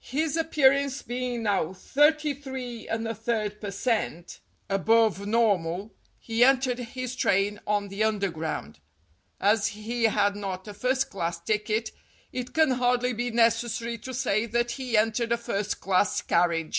His appearance being now 33^/3 per cent above nor mal, he entered his train on the Underground. As he had not a first class ticket, it can hardly be necessary to say that he entered a first class carriage.